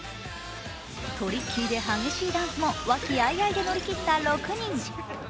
トリッキーで激しいダンスも和気あいあいで乗りきった６人。